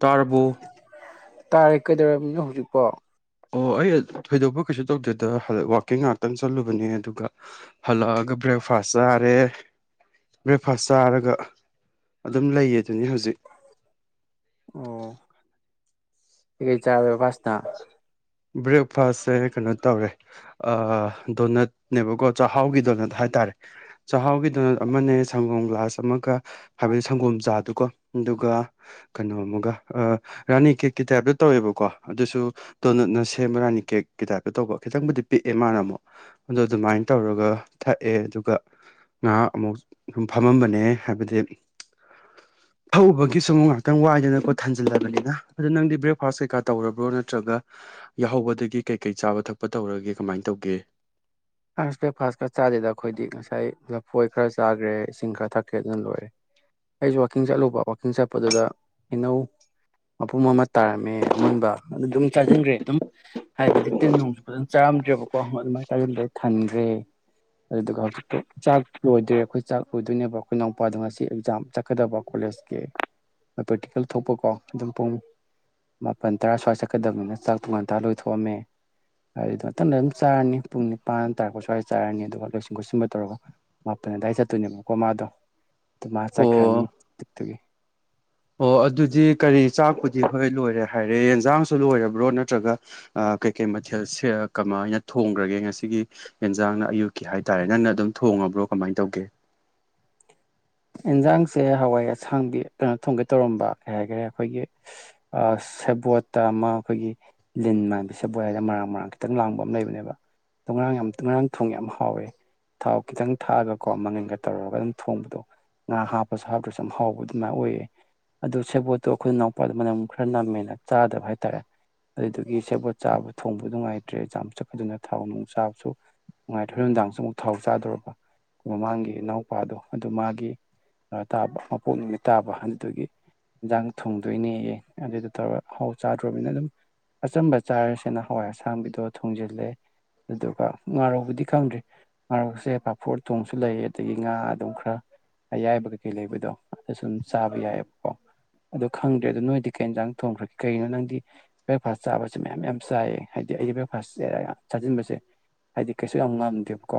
ꯇꯥꯔꯕꯣ ꯇꯥꯔꯦ ꯀꯩꯗꯧꯔꯝꯃꯤꯅꯣ ꯍꯧꯖꯤꯛꯄꯣ ꯑꯣ ꯑꯩ ꯊꯣꯏꯗꯣꯛꯄ ꯀꯩꯁꯨ ꯇꯧꯗꯦꯗ ꯍꯜꯂꯛ ꯋꯥꯛꯀꯤꯡ ꯉꯥꯛꯇꯪ ꯆꯠꯂꯨꯕꯅꯦ ꯑꯗꯨꯒ ꯍꯜꯂꯛꯑꯒ ꯕ꯭ꯔꯦꯛꯐꯥꯁ ꯆꯔꯦ ꯕ꯭ꯔꯦꯛꯐꯥꯁ ꯆꯥꯔꯒ ꯑꯗꯨꯝ ꯂꯩꯌꯦ ꯑꯗꯨꯅꯤ ꯍꯧꯖꯤꯛ ꯑꯣ ꯀꯩꯀꯩ ꯆꯥꯔꯦ ꯕꯥꯁꯇ ꯕ꯭ꯔꯦꯛꯐꯥꯁꯁꯦ ꯀꯩꯅꯣ ꯇꯧꯔꯦ ꯑ ꯗꯣꯅꯠꯅꯦꯕꯀꯣ ꯆꯥꯛꯍꯥꯎꯒꯤ ꯗꯣꯅꯠ ꯍꯥꯏꯇꯥꯔꯦ ꯆꯥꯛꯍꯥꯎꯒꯤ ꯗꯣꯅꯠ ꯑꯃꯅꯦ ꯁꯪꯒꯣꯝ ꯒ꯭ꯂꯥꯁ ꯑꯃꯒ ꯍꯥꯏꯕꯗꯤ ꯁꯪꯒꯣꯝ ꯆꯥꯗꯨꯒ ꯑꯗꯨꯒ ꯀꯩꯅꯣ ꯑꯃꯒ ꯑ ꯔꯥꯅꯤ ꯀꯦꯛꯀꯤ ꯇꯥꯏꯞꯇ ꯇꯧꯋꯦꯕꯀꯣ ꯑꯗꯨꯁꯨ ꯗꯣꯅꯠꯅ ꯁꯦꯝꯕ ꯔꯥꯅꯤ ꯀꯦꯛꯀꯤ ꯇꯥꯏꯞꯇ ꯇꯧꯕ ꯈꯤꯇꯪꯕꯨꯗꯤ ꯄꯤꯛꯑꯦ ꯃꯥꯅ ꯑꯃꯨꯛ ꯑꯗꯣ ꯑꯗꯨꯃꯥꯏꯅ ꯇꯧꯔꯒ ꯊꯛꯑꯦ ꯑꯗꯨꯒ ꯉꯍꯥ ꯑꯃꯨꯛ ꯁꯨꯝ ꯐꯝꯃꯝꯕꯅꯦꯍꯦ ꯍꯥꯏꯕꯗꯤ ꯐꯧꯕꯒꯤ ꯁꯒꯨ ꯉꯍꯥꯛꯇꯪ ꯋꯥꯏꯗꯅꯀꯣ ꯊꯟꯖꯤꯜꯂꯕꯅꯤꯅ ꯑꯗꯣ ꯅꯪꯗꯤ ꯕ꯭ꯔꯦꯛꯐꯥꯁ ꯀꯩꯀꯥ ꯇꯧꯔꯕ꯭ꯔꯣ ꯅꯠꯇ꯭ꯔꯒ ꯌꯥꯍꯧꯕꯗꯒꯤ ꯀꯩ ꯀꯩ ꯆꯥꯕ ꯊꯛꯄ ꯇꯧꯔꯒꯦ ꯀꯃꯥꯏ ꯇꯧꯒꯦ ꯕ꯭ꯔꯦꯛꯐꯥꯁꯀꯥ ꯆꯥꯗꯦꯗ ꯑꯩꯈꯣꯏꯗꯤ ꯉꯁꯥꯏ ꯂꯐꯣꯏ ꯈꯔ ꯆꯥꯈꯒꯔꯦ ꯏꯁꯤꯡ ꯈꯔ ꯊꯛꯀꯦ ꯑꯗꯨꯅ ꯂꯣꯏꯔꯦ ꯑꯩꯖꯨ ꯋꯥꯛꯀꯤꯡ ꯆꯠꯂꯨꯕ ꯋꯀꯤꯡ ꯆꯠꯄꯗꯨꯗ ꯏꯩꯅꯧ ꯃꯄꯨꯝ ꯑꯃ ꯇꯥꯔꯝꯃꯦ ꯑꯃꯨꯣꯟꯕ ꯑꯗꯨ ꯗꯨꯝ ꯆꯥꯁꯤꯟꯈꯒꯔꯦ ꯑꯗꯨꯝ ꯍꯥꯏꯕꯗꯤ ꯇꯤꯟ ꯅꯣꯡꯁꯨ ꯐꯖꯅ ꯆꯥꯔꯝꯗ꯭ꯔꯦꯕꯀꯣ ꯑꯗꯨꯃꯥꯏꯅ ꯆꯥꯖꯤꯟꯕꯗꯩ ꯊꯟꯈꯒ꯭ꯔꯦ ꯑꯗꯨꯗꯨꯒ ꯍꯧꯖꯤꯛꯇꯨ ꯆꯥꯛ ꯂꯣꯏꯗ꯭ꯔꯦ ꯑꯩꯈꯣꯏ ꯆꯥꯛ ꯂꯣꯏꯗꯣꯏꯅꯦꯕ ꯑꯩꯈꯣꯏꯅꯎꯄꯥꯗ ꯉꯁꯤ ꯑꯦꯛꯖꯥꯝ ꯆꯠꯀꯗꯕ ꯀꯣꯂꯦꯖ ꯄ꯭ꯔꯦꯇꯤꯀꯜ ꯊꯣꯛꯄꯀꯣ ꯑꯗꯨꯝ ꯄꯨꯡ ꯃꯥꯄꯟ ꯇꯔꯥ ꯁ꯭ꯋꯥꯏ ꯆꯠꯀꯗꯕꯅꯤꯅ ꯆꯥꯛ ꯇꯣ ꯉꯥꯟꯇꯂꯣꯏꯊꯣꯛꯑꯝꯃꯦ [unintelligible] ꯑꯗꯨꯝ ꯆꯥꯔꯅꯤ ꯄꯨꯡꯅꯤ ꯄꯥꯟ ꯇꯥꯔꯛꯄ ꯁ꯭ꯋꯥꯏ ꯆꯥꯔꯅꯤ ꯑꯗꯨꯒ ꯂꯣꯏꯁꯤꯟ ꯈꯣꯠꯆꯟꯕ ꯇꯧꯔꯒ ꯃꯥꯄꯟ ꯑꯗꯥꯏ ꯆꯠꯇꯣꯏꯅꯦꯕꯀꯣ ꯃꯥꯗꯣ ꯃꯥ ꯑꯣ ꯆꯠꯈ꯭ꯔꯅꯤꯗꯨꯗꯨꯒꯤ ꯑꯣ ꯑꯗꯨꯗꯤ ꯀꯔꯤ ꯆꯥꯛꯄꯨꯗꯤ ꯍꯣꯏ ꯂꯣꯏꯔꯦ ꯍꯥꯏꯔꯦ ꯌꯦꯟꯖꯥꯡꯁꯨ ꯂꯣꯏꯔꯕ꯭ꯔꯣ ꯅꯠꯇ꯭ꯔꯒ ꯑꯥ ꯀꯩ ꯀꯩ ꯃꯊꯦꯜ ꯁꯦ ꯀꯃꯥꯏꯅ ꯊꯣꯡꯒ꯭ꯔꯒꯦ ꯉꯁꯤꯒꯤ ꯌꯦꯟꯖꯥꯡꯅ ꯑꯌꯨꯛꯀꯤ ꯍꯥꯏꯇꯥꯔꯦ ꯅꯪꯅ ꯑꯗꯨꯝ ꯊꯣꯡꯉꯕ꯭ꯔꯣ ꯀꯃꯥꯏ ꯇꯧꯒꯦ ꯏꯟꯖꯥꯡꯁꯦ ꯍꯋꯥꯏ ꯑꯁꯥꯡꯕꯤ ꯀꯩꯅꯣ ꯊꯣꯡꯒꯦ ꯇꯧꯔꯝꯕ ꯀꯩ ꯍꯥꯏꯒ꯭ꯔꯦ ꯑꯈꯣꯏꯒꯤ ꯑꯁ ꯁꯦꯕꯣꯠꯇꯥ ꯑꯃꯥ ꯑꯈꯣꯏꯒꯤ ꯂꯤꯟ ꯃꯥꯟꯕ ꯁꯦꯕꯣꯠ ꯃꯔꯥꯡ ꯃꯔꯥꯡ ꯈꯤꯇꯪ ꯂꯥꯡꯕ ꯑꯃꯥ ꯂꯩꯕꯅꯦꯕ ꯑꯗꯣ ꯉꯥꯔꯥꯡ ꯌꯥꯝ ꯉꯥꯔꯥꯡ ꯊꯣꯡꯉꯦ ꯌꯥꯝ ꯍꯥꯎꯋꯦ ꯊꯥꯎ ꯈꯤꯇꯪ ꯊꯥꯛꯑꯥꯒꯀꯣ ꯃꯪꯒꯟꯒꯥ ꯇꯧꯔꯥꯒ ꯑꯗꯨꯝ ꯊꯣꯡꯕꯥ ꯉꯥ ꯍꯥꯞꯄꯁꯨ ꯍꯥꯞꯇ꯭ꯔꯁꯨ ꯌꯥꯝ ꯍꯥꯎꯕ ꯑꯗꯨꯃꯥꯏꯅ ꯑꯣꯏꯌꯦ ꯑꯗꯨ ꯁꯦꯕꯣꯠꯇꯣ ꯈꯣꯏ ꯅꯥꯎꯄꯥꯗꯣ ꯃꯅꯝ ꯈꯔꯥ ꯅꯝꯃꯦꯅ ꯆꯥꯗꯕ ꯍꯥꯏꯇꯥꯔꯦ ꯑꯗꯨꯗꯨꯒꯤ ꯁꯦꯕꯣꯠ ꯆꯥꯕ ꯊꯣꯡꯕ ꯅꯨꯡꯉꯥꯏꯇ꯭ꯔꯦ ꯆꯝꯆꯛ ꯑꯗꯨꯅ ꯊꯥꯎ ꯅꯨꯡ ꯆꯥꯕꯁꯨ ꯍꯣꯔꯦꯟ ꯅꯨꯡꯗꯥꯡꯁꯨ ꯑꯃꯨꯛ ꯊꯥꯎ ꯆꯥꯗꯣꯔꯥꯕ ꯃꯃꯥꯡꯒꯤ ꯏꯅꯥꯎꯄꯥꯗꯣ ꯑꯗꯨ ꯃꯥꯒꯤ ꯀꯩꯅꯣ ꯇꯥꯕ ꯃꯄꯣꯛ ꯅꯨꯃꯤꯠ ꯇꯥꯕ ꯑꯗꯨꯗꯨꯒꯤ ꯏꯟꯖꯥꯡ ꯊꯨꯡꯗꯣꯏꯅꯦꯌꯦ ꯑꯗꯨꯗꯣ ꯇꯧꯔꯥ ꯍꯥꯎ ꯆꯥꯗꯔꯣꯝꯅꯤꯅ ꯑꯗꯨꯝ ꯑꯥꯆꯝꯕ ꯆꯥꯔꯥꯁꯦꯅ ꯍꯋꯥꯏ ꯑꯁꯥꯡꯕꯤꯗꯣ ꯊꯨꯡꯖꯜꯂꯦ ꯑꯗꯨꯒ ꯉꯥꯔꯧꯕꯨꯗꯤ ꯈꯪꯗ꯭ꯔꯤ ꯉꯥꯔꯧꯁꯦ ꯄꯥꯐꯣꯔ ꯎꯇꯣꯡꯁꯨ ꯂꯩ ꯑꯇꯩ ꯉꯥꯗꯣ ꯈ꯭ꯔ ꯑꯌꯥꯏꯕ ꯀꯩꯀꯩ ꯂꯩꯕꯗꯣ ꯑꯗꯨ ꯁꯨꯝ ꯆꯥꯕ ꯌꯥꯏꯕꯀꯣ ꯑꯗꯣ ꯈꯪꯗ꯭ꯔꯦ ꯑꯗꯨ ꯅꯣꯏꯗꯤ ꯀꯩ ꯏꯟꯖꯥꯡ ꯊꯣꯡꯒ꯭ꯔꯥꯒꯦ ꯀꯩꯅꯣ ꯅꯪꯗꯤ ꯕ꯭ꯔꯦꯛꯐꯥꯁ ꯆꯥꯕꯁꯦ ꯃꯌꯥꯝ ꯃꯌꯥꯝ ꯆꯥꯏꯌꯦ ꯍꯥꯏꯗꯤ ꯑꯩ ꯕ꯭ꯔꯦꯛꯐꯥꯁ ꯁꯦ ꯆꯥꯖꯤꯟꯕꯁꯦ ꯍꯥꯏꯗꯤ ꯀꯩꯁꯨ ꯌꯥꯝ ꯉꯝꯗꯦꯕꯀꯣ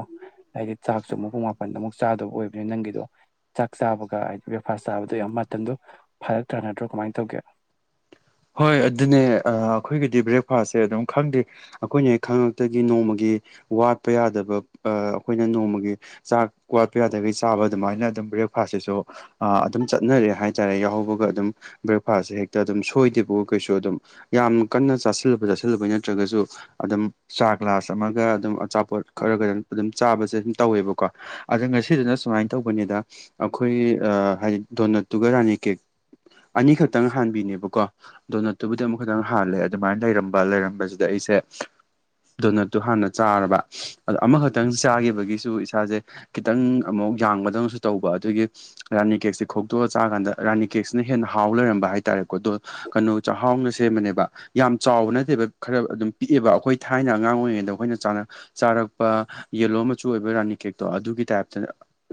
ꯍꯥꯏꯗꯤ ꯆꯥꯛꯁꯨ ꯃꯨꯛ ꯄꯨꯡ ꯃꯥꯄꯟꯗ ꯑꯃꯨꯛ ꯆꯥꯗꯧꯕꯥ ꯑꯣꯏꯕꯅꯤꯅ ꯅꯪꯒꯤꯗꯣ ꯆꯥꯛ ꯆꯥꯕꯒ ꯍꯥꯏꯗꯤ ꯕ꯭ꯔꯦꯛꯐꯥꯁ ꯆꯥꯕꯗꯣ ꯌꯥꯝ ꯃꯇꯝꯗꯣ ꯐꯔꯛ ꯇꯥꯥꯟꯅꯗ꯭ꯔꯣ ꯀꯃꯥꯏ ꯇꯧꯒꯦ ꯍꯣꯏ ꯑꯗꯨꯅꯦ ꯑꯥ ꯑꯈꯣꯏꯒꯤꯗꯤ ꯕ꯭ꯔꯦꯛꯐꯥꯁꯁꯦ ꯑꯗꯨꯝ ꯈꯪꯗꯦ ꯑꯈꯣꯏꯅ ꯍꯦꯛ ꯈꯪꯉꯛꯇꯥꯒꯤ ꯅꯣꯡꯃꯥꯒꯤ ꯋꯥꯠꯄ ꯌꯥꯗꯕ ꯑꯥ ꯑꯈꯣꯏꯅ ꯅꯣꯡꯃꯥꯒꯤ ꯆꯥꯛ ꯋꯥꯠꯄ ꯌꯥꯗꯒꯩ ꯆꯥꯕ ꯑꯗꯨꯃꯥꯏꯅ ꯑꯗꯨꯝ ꯕ꯭ꯔꯦꯛꯐꯥꯁꯁꯤꯁꯨ ꯑꯥ ꯑꯗꯨꯝ ꯆꯠꯅꯔꯦ ꯍꯥꯏꯇꯥꯔꯦ ꯌꯥꯎꯍꯧꯕꯒꯥ ꯑꯗꯨꯝ ꯕ꯭ꯔꯦꯛꯐꯥꯁꯁꯦ ꯍꯦꯛꯇꯥ ꯑꯗꯨꯝ ꯁꯣꯏꯗꯦ ꯀꯩꯁꯨ ꯑꯗꯨꯝ ꯌꯥꯝ ꯀꯟꯅ ꯆꯥꯁꯤꯜꯂꯨꯕ ꯆꯥꯁꯤꯜꯂꯨꯕꯒꯤ ꯅꯠꯇ꯭ꯔꯒꯥꯁꯨ ꯑꯗꯨꯝ ꯆꯥ ꯒ꯭ꯂꯥꯁ ꯑꯃꯥꯒ ꯑꯗꯨꯝ ꯑꯆꯥꯄꯣꯠ ꯈꯔꯒꯥ ꯑꯗꯨ ꯑꯗꯨꯝ ꯆꯥꯕꯁꯦ ꯑꯗꯨꯝ ꯇꯧꯋꯦꯕꯀꯣ ꯑꯗꯥ ꯉꯁꯤꯗꯨꯅ ꯁꯨꯃꯥꯏꯅ ꯇꯧꯕꯅꯤꯗ ꯑꯥꯈꯣꯏ ꯑꯥ ꯍꯥꯏꯗꯤ ꯗꯣꯅꯠꯇꯨꯒ ꯔꯥꯅꯤ ꯀꯦꯛ ꯑꯅꯤꯈꯛꯇꯪ ꯍꯥꯟꯕꯤꯅꯦꯕꯀꯣ ꯗꯣꯅꯠꯇꯨꯕꯨꯗꯤ ꯑꯃꯥꯈꯛꯇꯪ ꯍꯥꯜꯂꯦ ꯑꯗꯨꯃꯥꯏꯅ ꯂꯩꯔꯝꯕ ꯂꯩꯔꯝꯕꯖꯤꯗ ꯑꯩꯁꯦ ꯗꯣꯅꯠꯇꯨ ꯍꯥꯟꯅ ꯆꯥꯔꯕ ꯑꯗꯣ ꯑꯃꯥꯈꯛꯇꯪ ꯆꯥꯒꯤꯕꯒꯤꯁꯨ ꯏꯁꯥꯖꯦ ꯈꯤꯇꯪ ꯑꯃꯨꯛ ꯌꯥꯡꯕꯗꯧꯅꯁꯨ ꯇꯧꯕ ꯑꯗꯨꯒꯤ ꯔꯥꯅꯤ ꯀꯦꯛꯁꯦ ꯈꯣꯛꯇꯣꯛꯑꯥ ꯆꯥꯀꯥꯟꯗ ꯔꯥꯅꯤ ꯀꯦꯛꯁꯤꯅ ꯍꯦꯟꯅ ꯍꯥꯎ ꯂꯩꯔꯝꯕ ꯍꯥꯏꯇꯥꯔꯦꯀꯣ ꯗꯣ ꯀꯩꯅꯣ ꯆꯥꯛꯍꯥꯎꯅ ꯁꯦꯝꯕꯅꯦꯕ ꯌꯥꯝ ꯆꯥꯎꯕ ꯅꯠꯇꯦꯕ ꯈꯔꯥ ꯑꯗꯨꯝ ꯄꯤꯛꯑꯦꯕ ꯑꯩꯈꯣꯏ ꯊꯥꯏꯅ ꯑꯉꯥꯡ ꯑꯣꯏꯔꯤꯉꯩꯗ ꯑꯩꯈꯣꯏꯅ ꯆꯥꯔ ꯆꯥꯔꯛꯄꯥ ꯌꯦꯂꯣ ꯃꯆꯨ ꯑꯣꯏꯕ ꯔꯥꯅꯤ ꯀꯦꯛꯇꯣ ꯑꯗꯨꯒꯤ ꯇꯥꯏꯞꯇ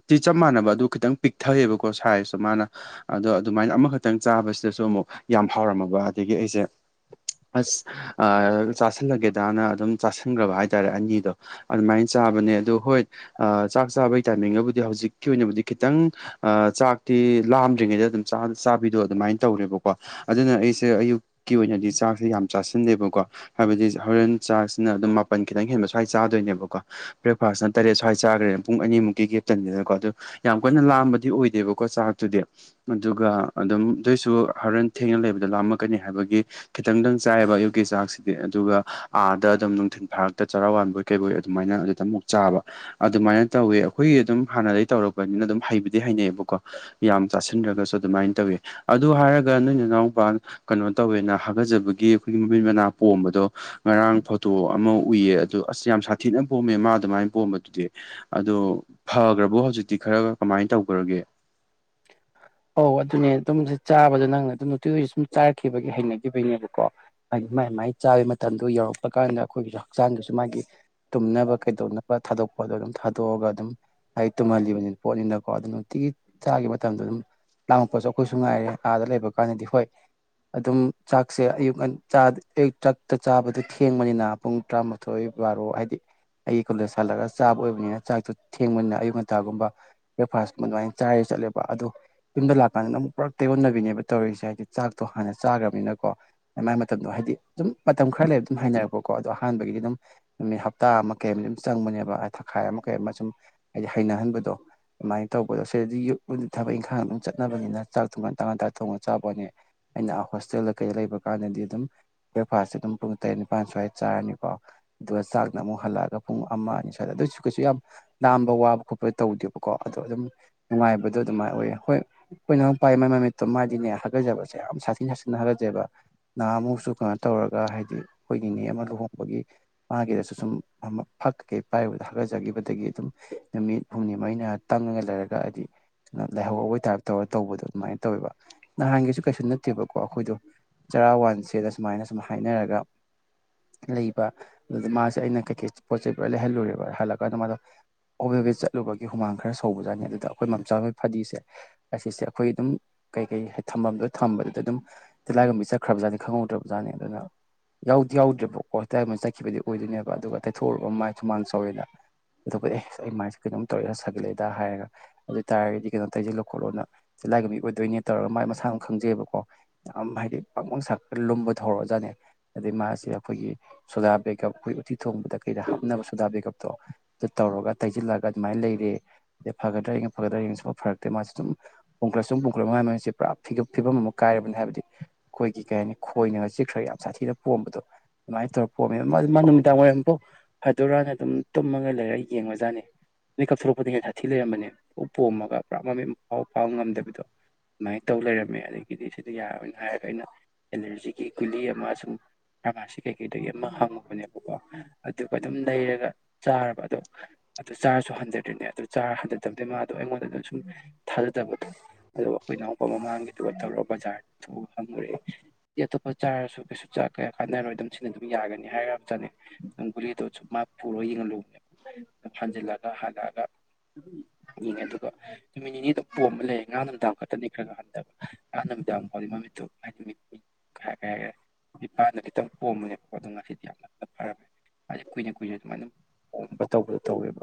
ꯇꯤ ꯆꯞ ꯃꯥꯟꯅꯕ ꯑꯗꯨ ꯈꯤꯇꯪ ꯄꯤꯛꯊꯩꯑꯦꯕꯀꯣ ꯁꯥꯏꯖꯇꯣ ꯃꯥꯅ ꯑꯗꯣ ꯑꯗꯨꯃꯥꯏꯅ ꯑꯃꯥꯈꯛꯇꯪ ꯆꯥꯕꯁꯤꯗꯁꯨ ꯑꯃꯨꯛ ꯌꯥꯝ ꯍꯥꯎꯔꯝꯃꯥꯕ ꯑꯗꯥꯒꯤ ꯑꯩꯁꯦ ꯑꯁ ꯑꯥ ꯆꯥꯥꯁꯜꯂꯥꯒꯦꯗꯥꯅ ꯑꯗꯨꯝ ꯆꯥꯥꯁꯟꯈ꯭ꯔꯥꯕ ꯍꯥꯏꯇꯥꯔꯦ ꯑꯅꯤꯗꯣ ꯑꯗꯨꯃꯥꯏꯅ ꯆꯥꯕꯅꯦ ꯑꯗꯣ ꯍꯣꯏ ꯆꯥꯛ ꯆꯥꯕꯒꯤ ꯇꯥꯏꯃꯤꯡꯒꯕꯨꯗꯤ ꯍꯧꯖꯤꯛꯀꯤ ꯑꯣꯏꯅꯕꯨꯗꯤ ꯈꯤꯇꯪ ꯑꯥ ꯆꯥꯛꯇꯤ ꯂꯥꯝꯗ꯭ꯔꯤꯉꯩꯗ ꯑꯗꯨꯝ ꯆꯥꯕꯤꯗꯣ ꯑꯗꯨꯃꯥꯏꯅ ꯇꯧꯔꯦꯕꯀꯣ ꯑꯗꯨꯅ ꯑꯩꯁꯦ ꯑꯌꯨꯛꯀꯤ ꯑꯣꯏꯅꯗꯤ ꯆꯥꯛꯁꯦ ꯌꯥꯝ ꯆꯥꯁꯤꯜꯗꯦꯕꯀꯣ ꯍꯥꯏꯕꯗꯤ ꯍꯣꯔꯦꯟ ꯆꯥꯛꯁꯤꯅ ꯑꯗꯨꯝ ꯃꯥꯄꯟ ꯈꯤꯇꯪ ꯍꯦꯟꯕ ꯁ꯭ꯋꯥꯏ ꯆꯥꯗꯣꯏꯅꯦꯕꯀꯣ ꯕ꯭ꯔꯦꯛꯐꯥꯁꯅ ꯇꯔꯦꯠ ꯁ꯭ꯋꯥꯏ ꯆꯥꯈ꯭ꯔꯦ ꯄꯨꯡ ꯑꯅꯤꯃꯨꯛꯀꯤ ꯒꯦꯞ ꯇꯪꯅꯤꯅꯥꯀꯣ ꯌꯥꯝ ꯀꯟꯅꯥ ꯂꯥꯝꯕꯗꯤ ꯑꯣꯏꯗꯦꯕꯀꯣ ꯆꯥꯛꯇꯨꯗꯤ ꯑꯗꯨꯒ ꯑꯗꯨꯝ ꯑꯗꯨꯏꯁꯨ ꯍꯣꯔꯦꯟ ꯊꯦꯡꯅ ꯂꯩꯕꯗꯥ ꯂꯥꯝꯃꯛꯀꯅꯤ ꯍꯥꯏꯕꯒꯤ ꯈꯤꯇꯪꯗꯪ ꯆꯥꯏꯌꯦꯕ ꯑꯌꯨꯛꯀꯤ ꯆꯥꯛꯁꯤꯗꯤ ꯑꯗꯨꯒꯥ ꯑꯥꯗꯥ ꯑꯗꯨꯝ ꯅꯨꯡꯊꯤꯟꯜ ꯐꯥꯔꯛꯇ ꯆꯥꯔꯥ ꯋꯥꯟꯕꯣꯏ ꯀꯩꯕꯣꯏ ꯑꯗꯨꯃꯥꯏꯅ ꯑꯗꯨꯗꯥ ꯑꯃꯨꯛ ꯆꯥꯕ ꯑꯗꯨꯃꯥꯏꯅ ꯇꯧꯋꯦ ꯑꯥꯈꯣꯏꯒꯤ ꯑꯗꯨꯝ ꯍꯥꯟꯅꯗꯒꯤ ꯇꯧꯔꯛꯄꯅꯤꯅ ꯑꯗꯨꯝ ꯍꯩꯕꯨꯗꯤ ꯍꯩꯅꯩꯕꯀꯣ ꯌꯥꯝ ꯆꯥꯁꯤꯟꯗ꯭ꯔꯥꯒꯁꯨ ꯑꯗꯨꯃꯥꯏꯅ ꯇꯧꯋꯤ ꯑꯗꯨ ꯍꯥꯏꯔꯥꯒ ꯅꯣꯏꯅ ꯅꯅꯥꯎꯄꯥ ꯀꯩꯅꯣ ꯇꯧꯋꯦꯅ ꯍꯥꯒꯠꯆꯕꯒꯤ ꯑꯩꯈꯣꯏꯒꯤ ꯃꯃꯤꯠ ꯃꯅꯥ ꯄꯣꯝꯕꯥꯗꯣ ꯉꯔꯥꯡ ꯐꯣꯇꯣ ꯑꯃꯥ ꯎꯏꯌꯦ ꯑꯗꯨ ꯑꯁ ꯌꯥꯝ ꯁꯥꯊꯤꯅ ꯄꯣꯝꯃꯦ ꯃꯥ ꯑꯗꯨꯃꯥꯏꯅ ꯄꯣꯝꯕꯗꯨꯗꯤ ꯑꯗꯣ ꯐꯈ꯭ꯔꯥꯕꯣ ꯍꯧꯖꯤꯛꯇꯤ ꯈꯔꯥ ꯀꯃꯥꯏꯅ ꯇꯧꯈ꯭ꯔꯒꯦ ꯑꯧ ꯑꯗꯨꯅꯦ ꯑꯗꯨꯝ ꯆꯥꯕꯗ ꯅꯪꯅ ꯑꯗꯨꯝ ꯑꯗꯨꯒꯤ ꯁꯨꯝ ꯆꯥꯔꯛꯈꯤꯕꯒꯤ ꯍꯩꯅꯈꯤꯕꯒꯤꯅꯦꯕꯀꯣ ꯍꯥꯏꯗꯤ ꯃꯥꯥꯏ ꯃꯥꯏ ꯆꯥꯕ ꯃꯇꯝꯗꯨ ꯌꯧꯔꯛꯄ ꯀꯥꯟꯗ ꯑꯩꯈꯣꯏꯒꯤꯁꯨ ꯍꯛꯆꯥꯡꯗꯁꯨ ꯃꯥꯒꯤ ꯇꯨꯝꯅꯕ ꯀꯩꯗꯧꯅꯕ ꯊꯥꯗꯣꯛꯄꯗꯣ ꯑꯗꯨꯝ ꯊꯥꯗꯣꯛꯑꯒ ꯑꯗꯨꯝ ꯍꯥꯏꯗꯤ ꯇꯨꯝꯍꯜꯂꯤꯕꯅꯤꯅ ꯄꯣꯠꯅꯤꯅꯀꯣ ꯑꯗꯨꯝ ꯅꯨꯡꯇꯤꯒꯤ ꯆꯥꯒꯤ ꯃꯇꯝꯗ ꯑꯗꯨꯝ ꯂꯥꯡꯉꯛꯄꯁꯨ ꯑꯩꯈꯣꯏꯁꯨ ꯉꯥꯏꯔꯦ ꯑꯥꯗ ꯂꯩꯕ ꯀꯥꯟꯗꯗꯤ ꯍꯣꯏ ꯑꯗꯨꯝ ꯆꯥꯛꯁꯦ ꯑꯌꯨꯛ ꯑꯌꯨꯛ ꯆꯥꯛꯛꯇ ꯆꯥꯕꯗꯨ ꯊꯦꯡꯕꯅꯤꯅ ꯄꯨꯡ ꯇꯔꯥꯃꯥꯊꯣꯏ ꯕꯥꯔꯣ ꯍꯥꯏꯗꯤ ꯑꯩꯒꯤ ꯀꯣꯂꯦꯖ ꯍꯜꯂꯛꯑꯒ ꯆꯥꯕ ꯑꯣꯏꯕꯅꯤꯅ ꯆꯥꯛꯇꯣ ꯊꯦꯡꯕꯅꯤꯅ ꯑꯌꯨꯛ ꯉꯟꯇꯥꯒꯨꯝꯕ ꯕ꯭ꯔꯦꯛꯐꯥꯁꯀꯨꯝꯕ ꯑꯗꯨꯃꯥꯏꯅ ꯆꯥꯏꯔꯦ ꯆꯠꯂꯦꯕ ꯑꯗꯣ ꯌꯨꯝꯗ ꯂꯥꯛꯀꯥꯟꯗꯅ ꯑꯃꯨꯛ ꯄꯨꯔꯥ ꯇꯩꯌꯣꯟꯅꯕꯤꯅꯦꯕ ꯇꯧꯔꯤꯁꯦ ꯍꯥꯏꯗꯤ ꯆꯥꯛꯇꯣ ꯍꯥꯟꯅ ꯆꯥꯈ꯭ꯔꯝꯅꯤꯅꯀꯣ ꯃꯥꯏ ꯃꯇꯝꯗꯣ ꯍꯥꯏꯗꯤ ꯑꯗꯨꯝ ꯃꯇꯝ ꯈꯔ ꯂꯩꯕ ꯑꯗꯨꯝ ꯍꯥꯏꯅꯔꯛꯄꯀꯣ ꯑꯗꯣ ꯑꯍꯥꯟꯕꯒꯤꯗꯤ ꯑꯗꯨꯝ ꯅꯨꯃꯤꯠ ꯍꯞꯇꯥ ꯑꯃ ꯀꯩꯝ ꯁꯨꯝ ꯆꯪꯕꯅꯦꯕ ꯍꯥꯏ ꯊꯈꯥꯏ ꯑꯃ ꯀꯩ ꯑꯃ ꯁꯨꯝ ꯍꯥꯏꯗꯤ ꯍꯩꯅꯍꯟꯕꯗꯣ ꯑꯗꯨꯃꯥꯏꯅ ꯇꯧꯕꯗꯣ ꯁꯤꯗꯗꯤ ꯌꯝ ꯊꯕꯛ ꯏꯪꯈꯥꯡ ꯑꯗꯨꯝ ꯆꯠꯅꯕꯅꯤꯅ ꯆꯥꯛꯇꯣ ꯉꯥꯟꯇꯥ ꯉꯥꯟꯇꯥ ꯊꯣꯡꯉ ꯆꯥꯕ ꯋꯥꯅꯦ ꯑꯩꯅ ꯑꯥ ꯍꯣꯁꯇꯦꯜꯗ ꯀꯩꯗ ꯂꯩꯕ ꯀꯥꯟꯗꯗꯤ ꯑꯗꯨꯝ ꯕ꯭ꯔꯦꯛꯐꯥꯁꯁꯦ ꯑꯗꯨꯝ ꯄꯨꯡ ꯇꯔꯦꯠ ꯅꯤꯄꯥꯥꯟ ꯁ꯭ꯋꯥꯏꯗ ꯆꯥꯔꯅꯤꯀꯣ ꯑꯗꯨꯒ ꯆꯥꯛꯅ ꯑꯃꯨꯛ ꯍꯜꯂꯛꯑꯒ ꯄꯨꯡ ꯑꯃ ꯑꯅꯤ ꯁ꯭ꯋꯥꯗ ꯑꯗꯨꯑꯣꯏꯁꯨ ꯀꯩꯁꯨ ꯌꯥꯝ ꯂꯥꯝꯕ ꯋꯥꯕ ꯈꯣꯠꯄ ꯇꯧꯗꯦꯕꯀꯣ ꯑꯗꯣ ꯑꯗꯨꯝ ꯅꯨꯡꯉꯥꯏꯕꯗꯣ ꯑꯗꯨꯃꯥꯏꯅ ꯑꯣꯏꯌꯦ ꯍꯣꯏ ꯑꯩꯈꯣꯏꯅ ꯄꯥꯏ ꯃꯥꯏ ꯃꯃꯤꯠꯇꯣ ꯃꯥꯏꯗꯤꯅꯦ ꯍꯥꯒꯠꯆꯕꯁꯦ ꯌꯥꯝ ꯁꯥꯊꯤ ꯁꯥꯊꯤꯅ ꯍꯥꯒꯠꯆꯩꯑꯕ ꯅꯍꯥꯃꯨꯛꯁꯨ ꯀꯩꯅꯣ ꯇꯧꯔꯒ ꯍꯥꯏꯗꯤ ꯑꯩꯈꯣꯏ ꯅꯤꯅꯦ ꯑꯃ ꯂꯨꯍꯣꯡꯕꯒꯤ ꯃꯥꯒꯤꯗꯁꯨ ꯁꯨꯝ ꯐꯛ ꯀꯩꯀꯩ ꯄꯥꯏꯔꯨꯕꯗ ꯍꯤꯒꯠꯆꯈꯤꯕꯗꯒꯤ ꯑꯗꯨꯝ ꯅꯨꯃꯤꯠ ꯍꯨꯝꯅꯤ ꯃꯔꯤꯅ ꯇꯪꯉꯒ ꯂꯩꯔꯒ ꯍꯥꯏꯗꯤ ꯀꯩꯅꯣ ꯂꯥꯏꯍꯧꯕꯩ ꯇꯥꯔꯞ ꯇꯧꯔꯒ ꯇꯧꯕꯗꯣ ꯑꯗꯨꯃꯥꯏꯅ ꯇꯧꯋꯦꯕ ꯅꯍꯥꯟꯒꯤꯁꯨ ꯀꯩꯁꯨ ꯅꯠꯇꯦꯕꯀꯣ ꯑꯩꯈꯣꯏꯗꯣ ꯆꯔꯥ ꯋꯥꯟꯁꯦꯅ ꯁꯨꯃꯥꯏꯅ ꯁꯨꯝ ꯍꯥꯏꯅꯔꯒ ꯂꯩꯕ ꯑꯗꯨꯗ ꯃꯥꯁꯦ ꯑꯩꯅ ꯀꯩꯀꯩ ꯄꯣꯠ ꯆꯩ ꯄꯨꯔꯥ ꯂꯩꯍꯜꯂꯨꯔꯦꯕ ꯍꯜꯂꯀꯥꯟꯗ ꯃꯥꯗꯣ ꯑꯣꯕꯦ ꯕꯦ ꯆꯠꯂꯕꯒꯤ ꯍꯨꯃꯥꯡ ꯈꯔ ꯁꯧꯕꯖꯠꯅꯤ ꯑꯗꯨ ꯇꯥ ꯑꯩꯈꫭꯏ ꯃꯥꯝꯆꯥ ꯍꯣꯏ ꯐꯗꯤꯁꯦ ꯑꯁꯤꯁꯦ ꯑꯩꯈꯣꯏ ꯑꯗꯨꯝ ꯀꯩ ꯀꯩ ꯍꯥꯏ ꯊꯝꯐꯝꯗꯣ ꯊꯝꯕꯗꯨꯗ ꯑꯗꯨꯝ ꯇꯤꯜꯂꯥꯏꯒꯨꯝꯕꯤ ꯆꯠꯈ꯭ꯔꯕꯖꯥꯠꯅꯤ ꯈꯪꯍꯧꯗ꯭ꯔꯕ ꯖꯥꯠꯅꯤ ꯑꯗꯨꯅ ꯌꯥꯎꯗꯤ ꯌꯥꯎꯗ꯭ꯔꯦꯕꯀꯣ ꯇꯤꯜꯂꯥꯏꯒꯨꯝꯕꯤ ꯆꯠꯈꯤꯕꯩꯗꯤ ꯑꯣꯏꯗꯣꯏꯅꯦꯕ ꯑꯗꯨꯒ ꯇꯩꯊꯣꯛꯎꯕ ꯃꯥꯏ ꯍꯨꯃꯥꯟ ꯁꯥꯎꯋꯦꯅ ꯑꯗꯨꯒ ꯑꯦ ꯑꯩ ꯃꯥꯏꯁꯦ ꯀꯩꯅꯣꯝ ꯇꯧꯔꯦꯗ ꯁꯥꯒꯠꯂꯥꯛ ꯑꯦꯗ ꯍꯥꯏꯔꯒ ꯑꯗꯨ ꯑꯣꯏꯇꯥꯥꯔꯒꯗꯤ ꯀꯩꯅꯣ ꯇꯩꯁꯦ ꯂꯧꯈꯠꯂꯣꯅ ꯇꯤꯜꯂꯥꯏꯒꯨꯝꯕꯤ ꯑꯣꯏꯗꯣꯏꯅꯦ ꯇꯧꯔꯒ ꯃꯥꯥꯏ ꯃꯁꯥꯅ ꯈꯪꯖꯩꯑꯕꯀꯣ ꯌꯥꯝ ꯍꯥꯏꯗꯤ ꯕꯥꯡ ꯕꯥꯡ ꯁꯔꯀꯥꯟ ꯂꯨꯝꯕ ꯍꯧꯔꯛꯑꯖꯥꯠꯅꯤ ꯑꯗꯩ ꯃꯥꯁꯦ ꯑꯩꯈꯣꯏꯒꯤ ꯁꯣꯗꯥ ꯕꯦꯒꯞ ꯑꯩꯈꯣꯏ ꯎꯠꯇꯤ ꯊꯣꯡꯕꯗ ꯀꯩꯗ ꯍꯥꯞꯅꯕ ꯁꯣꯗꯥ ꯕꯦꯒꯀꯞꯇꯣ ꯑꯗꯨ ꯇꯧꯔꯒ ꯇꯩꯁꯤꯜꯂꯒ ꯑꯗꯨꯃꯥꯏ ꯂꯩꯔꯦ ꯑꯗꯩ ꯐꯒꯗ꯭ꯔꯥ ꯌꯦꯡꯉꯦ ꯐꯒꯗ꯭ꯔꯥ ꯌꯦꯡꯉꯦ ꯁꯨꯡꯐꯥ ꯐꯔꯛꯇꯦ ꯃꯥꯁꯁꯨ ꯑꯗꯨꯝ ꯄꯨꯡ ꯀꯔꯁꯨꯝ ꯄꯨꯡ ꯀꯥꯞꯃꯟ ꯍꫭꯏꯁꯦ ꯄꯨꯔꯥ ꯐꯤ ꯐꯤꯕꯝ ꯑꯃ ꯀꯥꯏꯔꯕꯅꯤ ꯍꯥꯏꯕꯗꯤ ꯑꯩꯈꯣꯏꯒꯤ ꯀꯩ ꯍꯥꯏꯅꯤ ꯈꯣꯏꯅꯒ ꯆꯖꯤꯛꯈ꯭ꯔꯥꯒ ꯌꯥꯝ ꯁꯥꯊꯤꯅ ꯄꯣꯝꯕꯗꯣ ꯑꯗꯨꯃꯥꯏ ꯇꯧꯔ ꯄꯣꯝꯃꯦꯕ ꯃꯥꯁꯨ ꯃꯥ ꯅꯨꯃꯤꯗꯥꯡ ꯋꯥꯏꯔꯝꯀꫭ ꯐꯗꯨꯔꯥꯒ ꯑꯗꯨꯝ ꯇꯨꯝꯃꯒ ꯂꯩꯔ ꯌꯦꯡꯕ ꯖꯥꯠꯅꯦ ꯃꯤꯠ ꯀꯥꯞ ꯊꯣꯛꯂꯛꯄꯗ ꯍꯦꯟꯅ ꯁꯥꯊꯤ ꯊꯤ ꯂꯩꯔꯝꯕꯅꯦ ꯎ ꯄꯣꯝꯃꯒ ꯄꯨꯔꯥ ꯃꯃꯤꯡꯐꯥꯎ ꯐꯥꯎꯕ ꯄꯥꯡ ꯉꯝꯗꯕꯤꯗꯣ ꯗꯨꯃꯥꯏ ꯇꯧ ꯂꯩꯔꯝꯃꯦ ꯑꯗꯥꯒꯤꯗꯤ ꯁꯤꯗ ꯌꯥꯔꯣꯏꯅ ꯍꯥꯏꯔꯒ ꯑꯩꯅ ꯑꯦꯂꯔꯖꯤꯒꯤ ꯒꯨꯂꯤ ꯑꯃ ꯁꯨꯝ ꯐꯥꯔꯃꯥꯁꯤ ꯀꯩꯀꯩꯗꯒꯤ ꯑꯃ ꯍꯪꯉꯨꯕꯅꯦꯕꯀꯣ ꯑꯗꯨꯒ ꯑꯗꯨꯝ ꯂꯩꯔꯒ ꯆꯥꯔꯕ ꯑꯗꯣ ꯑꯗꯨ ꯆꯥꯔꯁꯨ ꯍꯟꯊꯗ꯭ꯔꯤꯅꯦ ꯑꯗꯨ ꯆꯥꯔ ꯍꯟꯊꯗꯕꯗꯩ ꯃꯥꯗꯣ ꯑꯩꯉꯣꯟꯗꯗ ꯁꯨꯝ ꯊꯥꯖꯗꯕꯗꯣ ꯑꯗꯨꯒ ꯑꯩꯈꯣꯏ ꯏꯅꯥꯎꯅꯨꯄꯥ ꯃꯃꯥꯡꯒꯤꯗꯨꯒ ꯇꯧꯔꯒ ꯕꯖꯥꯔ ꯊꫭꯛꯑꯒ ꯍꯪꯉꯨꯔꯦ ꯂꯤ ꯑꯇꯣꯞꯄ ꯆꯥꯔꯁꯨ ꯀꯩꯁꯨ ꯆꯥꯛ ꯀꯌꯥ ꯀꯥꯟꯅꯔꯣꯏ ꯑꯗꯨꯝ ꯁꯤꯅ ꯑꯗꯨꯝ ꯌꯥꯒꯅꯤ ꯍꯥꯏꯔꯄꯅꯦ ꯅꯪ ꯒꯨꯂꯤꯗꯣ ꯁꯨꯝ ꯃꯥ ꯄꯨꯔꯣ ꯌꯦꯡꯍꯜꯂꯨꯕꯅꯦꯕ ꯍꯟꯖꯤꯜꯂꯒ ꯍꯜꯂꯛꯑꯒ ꯃꯤꯅꯦ ꯌꯦꯡꯉꯦ ꯑꯗꯨꯒ ꯅꯨꯃꯤꯠ ꯅꯤꯅꯤꯗꫭ ꯄꯣꯝꯃ ꯂꯩꯔꯦ ꯉꯔꯥꯡ ꯅꯨꯃꯤꯗꯥꯡ ꯈꯠꯇꯅꯤ ꯈꯔꯥ ꯈꯔꯥ ꯍꯟꯗꯕ ꯉꯔꯥꯡ ꯅꯨꯃꯤꯗꯥꯡ ꯐꯥꯎꯗꯤ ꯃꯃꯤꯠꯇꯣ ꯍꯥꯏꯗꯤ ꯃꯤꯠ [unintelligible] ꯀꯩ ꯀꯩ ꯍꯥꯏꯒ꯭ꯔꯦ ꯃꯤꯠ ꯄꯥꯥꯟꯗ ꯈꯤꯇꯪ ꯄꯣꯝꯕꯅꯦꯕꯀꫭ ꯑꯗꯨ ꯉꯁꯤꯗꯤ ꯌꯥꯝ ꯅꯛꯅꯥ ꯐꯔꯝꯃꯦ ꯃꯥꯗꯤ ꯀꯨꯏꯅ ꯀꯨꯏꯅ ꯑꯗꯨꯃꯥꯏ ꯑꯗꯨꯝ ꯍꯣꯝꯕ ꯇꯧꯕꯗꯣ ꯇꯧꯋꯦꯕ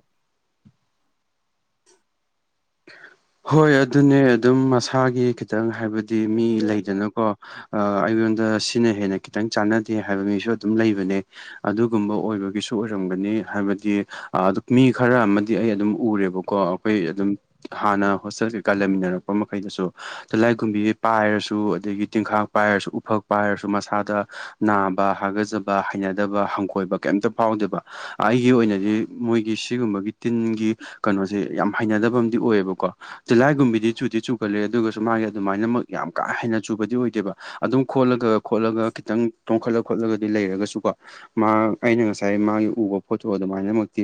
ꯍꯣꯏ ꯑꯗꯨꯅꯦ ꯑꯗꯨꯝ ꯃꯁꯥꯒꯤ ꯈꯤꯇꯪ ꯍꯥꯏꯕꯗꯤ ꯃꯤ ꯂꯩꯗꯅꯀꯣ ꯑꯥ ꯑꯩꯉꯣꯟꯗ ꯁꯤꯅ ꯍꯦꯟꯅ ꯈꯤꯇꯪ ꯆꯥꯟꯅꯗꯦ ꯍꯥꯏꯕ ꯃꯤꯁꯨ ꯑꯗꯨꯝ ꯂꯩꯕꯅꯦ ꯑꯗꯨꯒꯨꯝꯕ ꯑꯣꯏꯕꯒꯤꯁꯨ ꯑꯣꯏꯔꯝꯒꯅꯤ ꯍꯥꯏꯕꯗꯤ ꯑꯗꯨ ꯃꯤ ꯈꯔꯥ ꯑꯃꯗꯤ ꯑꯩ ꯑꯗꯨꯝ ꯎꯔꯦꯕꯀꯣ ꯑꯩꯈꯣꯏ ꯑꯗꯨꯝ ꯍꯥꯟꯅ ꯍꯣꯁꯇꯦꯜ ꯀꯩꯀꯥ ꯂꯩꯃꯤꯟꯅꯔꯛꯄ ꯃꯈꯩꯗꯨꯁꯨ ꯇꯤꯜꯂꯥꯏꯒꯨꯝꯕꯤ ꯄꯥꯏꯔꯁꯨ ꯑꯗꯒꯤ ꯇꯤꯜꯈꯥꯛ ꯄꯥꯏꯔꯁꯨ ꯎꯐꯛ ꯄꯥꯏꯔꯁꯨ ꯃꯁꯥꯗ ꯅꯥꯕ ꯍꯥꯒꯖꯕ ꯍꯩꯅꯗꯕ ꯍꯪꯒꫭꯏꯕ ꯀꯩꯝꯇ ꯐꯥꯎꯗꯦꯕ ꯑꯩꯒꯤ ꯑꯣꯏꯅꯗꯤ ꯃꯣꯏꯒꯤ ꯁꯤꯒꯨꯝꯕꯒꯤ ꯇꯤꯟꯒꯤ ꯀꯩꯅꯣꯁꯦ ꯌꯥꯝ ꯍꯩꯅꯗꯕꯥꯝ ꯗꯤ ꯑꯣꯏꯌꯦꯕꯀꯣ ꯇꯤꯜꯂꯥꯏꯒꯨꯝꯕꯤꯗꯤ ꯆꯨꯗꯤ ꯆꯨꯒꯠꯂꯦ ꯑꯗꯨꯒꯁꯨ ꯃꯥꯒꯤ ꯑꯗꯨꯃꯥꯏꯅꯃꯛ ꯌꯥꯝ ꯀꯥ ꯍꯦꯟꯅ ꯆꯨꯕꯗꯤ ꯑꯣꯏꯗꯦꯕ ꯑꯗꯨꯝ ꯈꯣꯠꯂꯒ ꯈꯣꯠꯂꯒ ꯈꯤꯇꯪ ꯇꯣꯡꯈꯠꯂꯛ ꯈꯣꯠꯂꯒꯗꯤ ꯂꯩꯔꯒꯁꯨꯀꯣ ꯃꯥ ꯑꯩꯅ ꯉꯁꯥꯏ ꯃꯥꯒꯤ ꯎꯕ ꯐꯣꯇꯣ ꯑꯗꯨꯃꯥꯏꯅꯃꯛꯇꯤ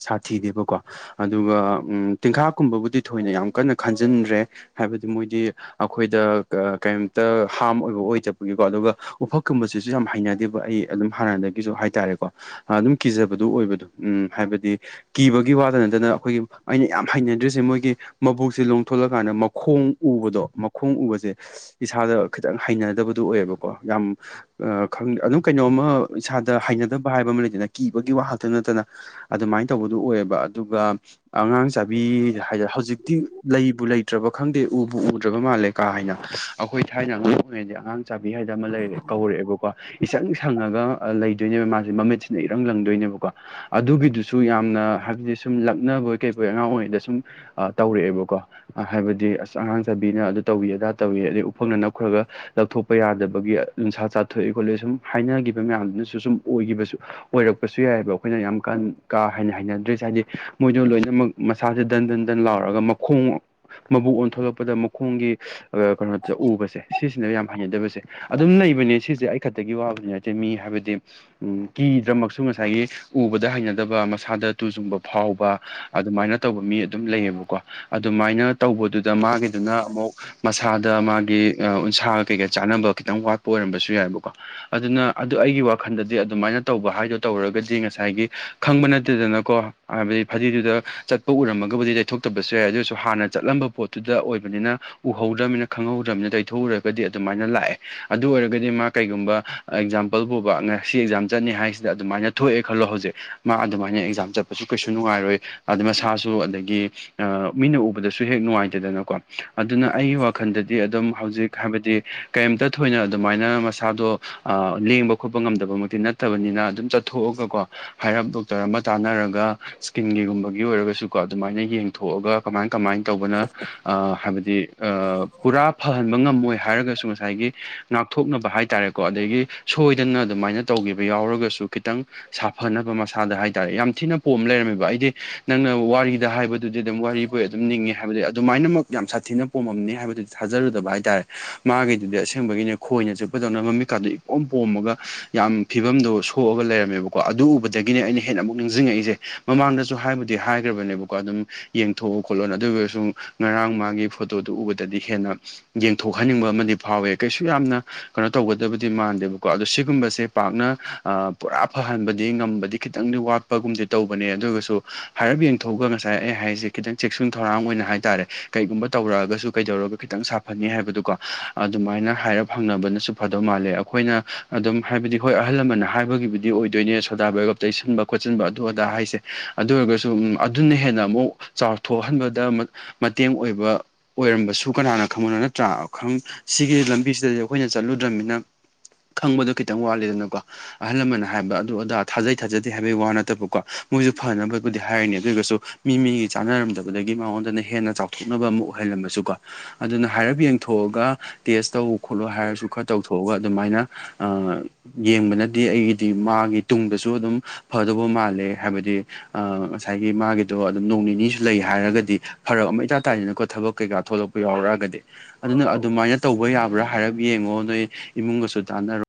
ꯁꯥꯊꯤꯗꯦꯕꯀꯣ ꯑꯗꯨꯒ ꯎꯝ ꯇꯤꯜꯈꯥꯛꯀꯨꯝꯕꯕꯨꯗꯤ ꯊꯣꯏꯅ ꯌꯥꯝ ꯀꯟꯅ ꯈꯟꯖꯤꯟꯗ꯭ꯔꯦ ꯍꯥꯏꯕꯗꯤ ꯃꯣꯏꯗꯤ ꯑꯩꯈꯣꯏꯗ ꯀ ꯀꯩꯝꯇ ꯍꯥꯝ ꯑꯣꯏꯕ ꯑꯣꯏꯗꯕꯒꯤꯀꯣ ꯑꯗꯨꯒ ꯎꯐꯛꯀꯨꯝꯕꯁꯤꯁꯨ ꯌꯥꯝ ꯍꯩꯅꯗꯦꯕ ꯑꯩ ꯑꯗꯨꯝ ꯍꯥꯟꯅꯗꯒꯤꯁꯨ ꯍꯥꯏꯇꯥꯔꯦꯀꯣ ꯑꯗꯨꯝ ꯀꯤꯖꯕꯗꯨ ꯑꯣꯏꯕꯗꯣ ꯎꯝ ꯍꯥꯏꯕꯗꯤ ꯀꯤꯕꯒꯤ ꯋꯥꯗ ꯅꯠꯇꯅ ꯑꯩꯈꯣꯏꯒꯤ ꯑꯩꯅ ꯌꯥꯝ ꯍꯩꯅꯗ꯭ꯔꯤꯁꯦ ꯃꯣꯏꯒꯤ ꯃꯕꯨꯛꯁꯦ ꯂꯣꯡꯊꯣꯛꯂꯀꯥꯟꯗ ꯃꯈꯣꯡ ꯎꯕꯗꯣ ꯃꯈꯣꯡ ꯎꯕꯁꯦ ꯏꯁꯥꯗ ꯈꯤꯇꯪ ꯍꯩꯅꯗꯕꯗꯨ ꯑꯣꯏꯌꯦꯕꯀꯣ ꯌꯥꯝ ꯈꯪꯗꯦ ꯑꯗꯨꯝ ꯀꯩꯅꯣꯝꯃ ꯏꯁꯥꯗ ꯍꯩꯅꯗꯕ ꯍꯥꯏꯕ ꯑꯃ ꯂꯩꯗꯅ ꯀꯤ ꯒꯤ ꯋꯥ ꯈꯛꯇ ꯅꯠꯇꯅ ꯑꯗꯨꯃꯥꯏꯅ ꯇꯧꯕꯗꯨ ꯑꯣꯏꯌꯦꯕ ꯑꯗꯨꯒ ꯑꯉꯥꯡ ꯆꯥꯕꯤ ꯍꯥꯏꯗꯤ ꯍꯧꯖꯤꯛꯇꯤ ꯂꯩꯕꯨ ꯂꯩꯇ꯭ꯔꯕ ꯈꯪꯗꯦ ꯎꯕꯨ ꯎꯗ꯭ꯔꯕ ꯃꯥꯜꯂꯦ ꯀꯥ ꯍꯦꯟꯅ ꯑꯩꯈꯣꯏ ꯊꯥꯏꯅ ꯑꯉꯥꯡ ꯑꯣꯏꯉꯩꯗꯤ ꯑꯉꯥꯡ ꯆꯥꯕꯤ ꯍꯥꯏꯅ ꯑꯃ ꯂꯩꯔꯦ ꯀꯧꯔꯛꯑꯦꯕꯀꯣ ꯏꯁꯪ ꯁꯪꯉꯒ ꯂꯩꯗꯣꯏꯅꯦꯕ ꯃꯥꯁꯦ ꯃꯃꯤꯠꯁꯤꯅ ꯏꯔꯪ ꯂꯪꯗꯣꯏꯅꯦꯕꯀꯣ ꯑꯗꯨꯒꯤꯗꯨꯁꯨ ꯌꯥꯝꯅ ꯍꯥꯏꯕꯗꯤ ꯁꯨꯝ ꯂꯛꯅꯕꯣꯏ ꯀꯩꯕꯣꯏ ꯑꯩꯈꯣꯏ ꯑꯉꯥꯡ ꯑꯣꯏꯔꯤꯉꯩꯗ ꯁꯨꯝ ꯑꯥ ꯇꯧꯔꯛꯑꯦꯕꯀꯣ ꯍꯥꯏꯕꯗꯤ ꯑꯁ ꯑꯉꯥꯡ ꯆꯥꯕꯤꯅ ꯑꯗꯨ ꯇꯧꯋꯤ ꯑꯗꯥ ꯇꯧꯏ ꯑꯗꯩ ꯎꯐꯛꯅ ꯅꯞꯈ꯭ꯔꯒ ꯂꯧꯊꯣꯛꯄ ꯌꯥꯗꯕꯒꯤ ꯎꯟꯁꯥ ꯆꯥꯊꯣꯛꯏ ꯈꯣꯠꯂꯤ ꯁꯨꯝ ꯍꯥꯏꯅꯒꯤꯕ ꯃꯌꯥꯝꯗꯨꯅꯁꯨ ꯁꯨꯝ ꯑꯣꯏꯒꯤꯕꯁꯨ ꯑꯣꯏꯔꯛꯄꯁꯨ ꯌꯥꯏꯑꯦꯕ ꯑꯩꯈꯣꯏꯅ ꯌꯥꯝ ꯀꯟ ꯀꯥ ꯍꯦꯟꯅ ꯍꯥꯏꯅꯗ꯭ꯔꯤꯁꯦ ꯍꯥꯏꯗꯤ ꯃꯣꯏꯗꯣ ꯂꯣꯏꯅꯃꯛ ꯃꯁꯥꯁꯦ ꯗꯟ ꯗꯟ ꯗꯟ ꯂꯥꯎꯔꯒ ꯃꯈꯣꯡ ꯃꯕꯨꯛ ꯑꯣꯟꯊꯣꯛꯂꯛꯄꯗ ꯃꯈꯣꯡꯒꯤ ꯑꯥ ꯀꯩꯅꯣꯗ ꯎꯕꯁꯦ ꯁꯤꯁꯤꯅꯦ ꯌꯥꯝ ꯍꯩꯅꯗꯕꯁꯦ ꯑꯗꯨꯝ ꯂꯩꯕꯅꯦ ꯁꯤꯁꯦ ꯑꯩꯈꯛꯇꯒꯤ ꯋꯥꯕꯨꯗꯤ ꯅꯠꯇꯦ ꯃꯤ ꯍꯥꯏꯕꯗꯤ ꯎꯝ ꯀꯤꯗ꯭ꯔꯃꯛꯁꯨ ꯉꯁꯥꯏꯒꯤ ꯎꯕꯗ ꯍꯩꯅꯗꯕ ꯃꯁꯥꯗ ꯇꯨꯖꯨꯡꯕ ꯐꯥꯎꯕ ꯑꯗꯨꯃꯥꯏꯅ ꯇꯧꯕ ꯃꯤ ꯑꯗꯨꯝ ꯂꯩꯌꯦꯕꯀꯣ ꯑꯗꯨꯃꯥꯏꯅ ꯇꯧꯕꯗꯨꯗ ꯃꯥꯒꯤꯗꯨꯅ ꯑꯃꯨꯛ ꯃꯁꯥꯗ ꯃꯥꯒꯤ ꯎꯟꯁꯥꯒ ꯀꯩꯀꯥ ꯆꯥꯅꯕ ꯈꯤꯇꯪ ꯋꯥꯠꯄ ꯑꯣꯏꯔꯝꯕꯁꯨ ꯌꯥꯏꯑꯦꯕꯀꯣ ꯑꯗꯨꯅ ꯑꯗꯨ ꯑꯩꯒꯤ ꯋꯥꯈꯜꯗꯗꯤ ꯑꯗꯨꯃꯥꯏꯅ ꯇꯧꯕ ꯍꯥꯏꯗꯣ ꯇꯧꯔꯒꯗꯤ ꯉꯁꯥꯏꯒꯤ ꯈꯪꯕ ꯅꯠꯇꯦꯗꯅꯀꯣ ꯍꯥꯏꯕꯗꯤ ꯐꯗꯤꯗꯨꯗ ꯆꯠꯄ ꯎꯔꯝꯃꯒꯕꯨꯗꯤ ꯇꯩꯊꯣꯛꯇꯕꯁꯨ ꯌꯥꯏ ꯑꯗꯨ ꯑꯣꯏꯔꯁꯨ ꯍꯥꯟꯅ ꯆꯠꯂꯝꯕ ꯄꯣꯠꯇꯨꯗ ꯑꯣꯏꯕꯅꯤꯅ ꯎꯍꯧꯗ꯭ꯔꯕꯅꯤꯅ ꯈꯪꯍꯧꯗ꯭ꯔꯃꯤꯅꯤꯅ ꯇꯩꯊꯣꯛꯎꯔꯒꯗꯤ ꯑꯗꯨꯃꯥꯏꯅ ꯂꯥꯛꯑꯦ ꯑꯗꯨ ꯑꯣꯏꯔꯒꯗꯤ ꯃꯥ ꯀꯩꯒꯨꯝꯕ ꯑꯦꯛꯖꯥꯝꯄꯜ ꯕꯨꯕ ꯉꯁꯤ ꯑꯦꯛꯖꯥꯝ ꯆꯠꯅꯤ ꯍꯥꯏꯁꯤꯗ ꯑꯗꯨꯃꯥꯏꯅ ꯊꯣꯛꯑꯦ ꯈꯜꯂꯣ ꯍꯧꯖꯤꯛ ꯃꯥ ꯑꯗꯨꯃꯥꯏꯅ ꯑꯦꯛꯖꯥꯝ ꯆꯠꯄꯁꯨ ꯀꯩꯁꯨ ꯅꯨꯡꯉꯥꯏꯔꯣꯏ ꯑꯗ ꯃꯁꯥꯁꯨ ꯑꯗꯒꯤ ꯑꯥ ꯃꯤꯅ ꯎꯕꯗꯁꯨ ꯍꯦꯛ ꯅꯨꯡꯉꯥꯏꯇꯦꯗꯅꯀꯣ ꯑꯗꯨꯅ ꯑꯩꯒꯤ ꯋꯥꯈꯜꯗꯗꯤ ꯑꯗꯨꯝ ꯍꯧꯖꯤꯛ ꯍꯥꯏꯕꯗꯤ ꯀꯩꯝꯇ ꯊꯣꯏꯅ ꯑꯗꯨꯃꯥꯏꯅ ꯃꯁꯥꯗꯣ ꯑꯥ ꯂꯦꯡꯕ ꯈꯣꯠꯄ ꯉꯝꯗꯕꯃꯛꯇꯤ ꯅꯠꯇꯕꯅꯤꯅ ꯑꯗꯨꯝ ꯆꯠꯊꯣꯛꯑꯒꯀꯣ ꯍꯥꯏꯔꯞ ꯗꯣꯛꯇꯔ ꯑꯃ ꯇꯥꯟꯅꯔꯒ ꯏꯁꯀꯤꯟꯒꯤꯒꯨꯝꯕ ꯒꯤ ꯑꯣꯏꯔꯒꯁꯨ ꯀꯣ ꯑꯗꯨꯃꯥꯏꯅ ꯌꯦꯡꯊꯣꯛꯑꯒ ꯀꯃꯥꯏ ꯀꯃꯥꯏꯅ ꯇꯧꯕꯅ ꯑꯥ ꯍꯥꯏꯕꯗꯤ ꯄꯨꯔꯥ ꯐꯍꯟꯕ ꯉꯝꯃꯣꯏ ꯍꯥꯏꯔꯒꯁꯨ ꯉꯁꯥꯏꯒꯤ ꯉꯥꯛꯊꯣꯛꯅꯕ ꯍꯥꯏ ꯇꯔꯦꯀꯣ ꯑꯗꯒꯤ ꯁꯣꯏꯗꯅ ꯑꯗꯨꯃꯥꯏꯅ ꯇꯧꯈꯤꯕ ꯌꯥꯎꯔꯒꯁꯨ ꯈꯤꯇꯪ ꯁꯥꯐꯅꯕ ꯃꯁꯥꯗ ꯍꯥꯏꯇꯥꯔꯦ ꯌꯥꯝ ꯊꯤꯅ ꯄꯣꯝ ꯂꯩꯔꯝꯃꯦꯕ ꯑꯩꯗꯤ ꯅꯪꯅ ꯋꯥꯔꯤꯗ ꯍꯥꯏꯕꯗꯨꯗꯤ ꯑꯗꯨꯝ ꯋꯥꯔꯤ ꯑꯩꯈꯣꯏ ꯑꯗꯨꯝ ꯅꯤꯡꯉꯦ ꯍꯥꯏꯕꯗꯤ ꯑꯗꯨꯃꯥꯏꯅꯃꯨꯛ ꯌꯥꯝ ꯁꯥꯊꯤꯅ ꯄꯣꯝꯃꯝꯅꯤ ꯍꯥꯏꯕꯗꯨꯗꯤ ꯊꯥꯖꯔꯨꯗꯕ ꯍꯥꯏꯇꯥꯔꯦ ꯃꯥꯒꯤꯗꯨꯗꯤ ꯑꯁꯦꯡꯕꯒꯤꯅꯦ ꯈꯣꯏꯅ ꯆꯤꯛꯄꯗꯧꯅ ꯃꯃꯤꯠꯀꯥꯗꯨ ꯏꯄꯣꯝ ꯄꯣꯝꯃꯒ ꯌꯥꯝ ꯐꯤꯕꯝꯗꯣ ꯁꯣꯛꯑꯒ ꯂꯩꯔꯝꯃꯦꯕꯀꯣ ꯑꯗꯨ ꯎꯕꯗꯒꯤꯅꯦ ꯑꯩꯅ ꯍꯦꯟꯅ ꯑꯃꯨꯛ ꯅꯤꯡꯖꯤꯡꯉꯛꯏꯖꯦ ꯃꯃꯥꯡꯗꯖꯨ ꯍꯥꯏꯕꯗ ꯗꯤ ꯍꯥꯏꯈ꯭ꯔꯕꯅꯦꯕꯀꯣ ꯑꯗꯨꯝ ꯌꯦꯡꯊꯣꯛꯑꯣ ꯈꯣꯠꯂꯣꯅ ꯑꯗꯨ ꯑꯣꯏꯒꯁꯨ ꯉꯔꯥꯡ ꯃꯥꯒꯤ ꯐꯣꯇꯣꯗꯨ ꯎꯕꯗꯗꯤ ꯍꯦꯟꯅ ꯌꯦꯡꯊꯣꯛꯍꯟꯅꯤꯡꯕ ꯑꯃꯗꯤ ꯐꯥꯎꯋꯦ ꯀꯩꯁꯨ ꯌꯥꯝꯅ ꯀꯩꯅꯣ ꯇꯧꯒꯗꯕꯗꯤ ꯃꯥꯟꯗꯦꯕꯀꯣ ꯑꯗꯣ ꯁꯤꯒꯨꯝꯕꯁꯦ ꯄꯥꯛꯅ ꯑꯥ ꯄꯨꯔꯥ ꯐꯍꯟꯕꯗꯤ ꯉꯝꯕꯗꯤ ꯈꯤꯇꯪꯗꯤ ꯋꯥꯠꯄꯒꯨꯝꯗꯤ ꯇꯧꯕꯅꯦ ꯑꯗꯨꯒꯁꯨ ꯍꯥꯏꯔꯞ ꯌꯦꯡꯊꯣꯛꯑꯒ ꯉꯁꯥꯏ ꯑꯩ ꯍꯥꯏꯔꯤꯖꯦ ꯈꯤꯇꯪ ꯆꯦꯛꯁꯤꯟ ꯊꯧꯔꯥꯡ ꯑꯣꯏꯅ ꯍꯥꯏꯇꯥꯔꯦ ꯀꯩꯒꯨꯝꯕ ꯇꯧꯔꯛꯑꯒꯁꯨ ꯀꯩꯗꯧꯔꯒ ꯈꯤꯇꯪ ꯐꯅꯤ ꯍꯥꯏꯕꯗꯨꯀꯣ ꯑꯗꯨꯃꯥꯏꯅ ꯍꯥꯏꯔꯞ ꯍꯪꯅꯕꯅꯁꯨ ꯐꯗꯧ ꯃꯥꯜꯂꯦ ꯑꯩꯈꯣꯏꯅ ꯑꯗꯨꯝ ꯍꯥꯏꯕꯗꯤ ꯍꯣꯏ ꯑꯍꯜ ꯂꯃꯟꯅ ꯍꯥꯏꯕꯒꯤꯕꯨꯗꯤ ꯑꯣꯏꯗꯣꯏꯅꯦ ꯁꯣꯗꯥꯕꯥꯏꯒꯞ ꯇꯩꯁꯤꯟꯕ ꯈꯣꯠꯆꯟꯕ ꯑꯗꯨ ꯑꯗꯥ ꯍꯥꯏꯁꯦ ꯑꯗꯨ ꯑꯣꯏꯔꯒꯁꯨ ꯑꯗꯨꯅ ꯍꯦꯟꯅ ꯑꯃꯨꯛ ꯆꯥꯎꯊꯣꯛꯍꯟꯕꯗ ꯃꯇꯦꯡ ꯑꯣꯏꯕ ꯑꯣꯏꯔꯝꯕꯁꯨ ꯀꯅꯥꯅ ꯈꯪꯉꯕꯅꯣ ꯅꯠꯇ꯭ꯔꯥ ꯁꯤꯒꯤ ꯂꯝꯕꯤꯁꯤꯗꯗꯤ ꯑꯩꯈꯣꯏꯅ ꯆꯠꯂꯨꯗ꯭ꯔꯕꯅꯤꯅ ꯈꯪꯕꯗꯣ ꯈꯤꯇꯪ ꯋꯥꯠꯂꯤꯗꯅꯀꯣ ꯑꯍꯜ ꯂꯃꯟꯅ ꯍꯥꯏꯕ ꯑꯗꯨ ꯑꯗꯥ ꯊꯥꯖꯩ ꯊꯥꯖꯗꯦ ꯍꯥꯏꯕꯩ ꯋꯥ ꯅꯠꯇꯕꯀꯣ ꯃꯣꯏꯁꯨ ꯐꯅꯕ ꯕꯨꯗꯤ ꯍꯥꯏꯔꯤꯅꯤ ꯑꯗꯨ ꯑꯣꯏꯒꯁꯨ ꯃꯤ ꯃꯤꯒꯤ ꯆꯥꯟꯅꯔꯝꯗꯕꯗꯒꯤ ꯃꯉꯣꯟꯗꯅ ꯍꯦꯟꯅ ꯆꯥꯎꯊꯣꯛꯅꯕ ꯑꯃ ꯑꯣꯏꯍꯜꯂꯝꯃꯁꯨꯀꯣ ꯑꯗꯨꯅ ꯍꯥꯏꯔꯞ ꯌꯦꯡꯊꯣꯛꯑꯒ ꯇꯦꯁ ꯇꯧ ꯈꯣꯠꯂꯨ ꯍꯥꯏꯔꯁꯨ ꯈꯔ ꯇꯧꯊꯣꯛꯑꯒ ꯑꯗꯨꯃꯥꯏꯅ ꯑꯥ ꯌꯦꯡꯕꯅꯗꯤ ꯑꯩꯒꯤꯗꯤ ꯃꯥꯒꯤ ꯇꯨꯡꯗꯁꯨ ꯑꯗꯨꯝ ꯐꯗꯧꯕ ꯃꯥꯜꯂꯦ ꯍꯥꯏꯕꯗꯤ ꯑꯥ ꯉꯁꯥꯏꯒꯤ ꯃꯥꯒꯤꯗꯣ ꯑꯗꯨꯝ ꯅꯣꯡ ꯅꯤꯅꯤꯁꯨ ꯂꯩ ꯍꯥꯏꯔꯒꯗꯤ ꯐꯔꯛ ꯑꯃ ꯏꯇꯥ ꯇꯥꯏꯗꯅꯀꯣ ꯊꯕꯛ ꯀꯩꯀꯥ ꯊꯣꯛꯂꯛ ꯄ ꯌꯥꯎꯔꯛꯑꯒꯗꯤ ꯑꯗꯨꯅ ꯑꯗꯨꯃꯥꯏꯅ ꯇꯧꯕ ꯌꯥꯕ꯭ꯔꯥ ꯍꯥꯏꯔꯞ ꯌꯦꯡꯉꯣ ꯅꯣꯏ ꯏꯃꯨꯡꯒꯁꯨ ꯇꯥꯟꯅꯔꯣ